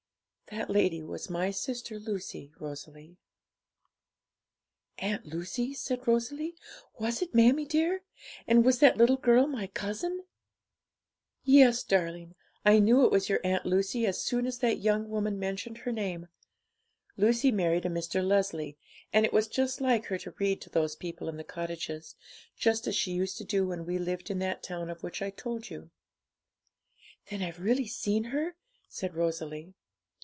'That lady was my sister Lucy, Rosalie.' 'Aunt Lucy?' said Rosalie; 'was it, mammie dear? And was that little girl my cousin?' 'Yes, darling; I knew it was your Aunt Lucy as soon as that young woman mentioned her name. Lucy married a Mr. Leslie; and it was just like her to read to those people in the cottages, just as she used to do when we lived in that town of which I told you.' 'Then I've really seen her?' said Rosalie.